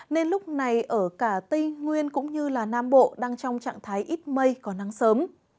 nên lúc này ở cả tây nguyên cũng như nam bộ đang trong trạng thái ít mây có nắng sớm